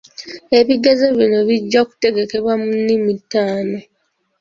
Ebigezo bino bijja kutegekebwa mu nnimi taano.